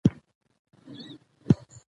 ډیوه ډېره اصولي نجلی ده